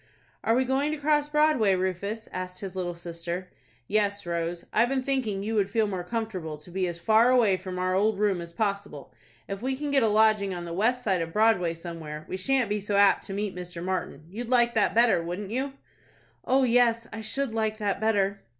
"Are we going to cross Broadway, Rufus?" asked his little sister. "Yes, Rose. I've been thinking you would feel more comfortable to be as far away from our old room as possible. If we can get a lodging on the west side of Broadway somewhere, we shan't be so apt to meet Mr. Martin. You'd like that better, wouldn't you?" "Oh, yes, I should like that better."